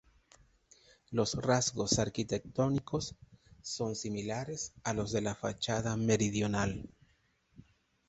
Los rasgos arquitectónicos son similares a los de la fachada meridional.